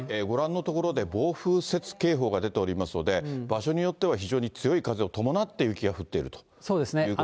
ご覧の所で暴風雪警報が出ておりますので、場所によっては非常に強い風を伴って、そうですね。